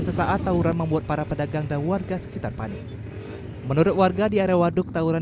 sesaat tawuran membuat para pedagang dan warga sekitar panik menurut warga di area waduk tawuran